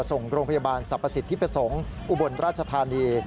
ส่งโรงพยาบาลสรรพสิทธิ์ที่ไปส่งอุบลราชธานี